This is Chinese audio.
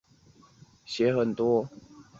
有时候一天内会写很多。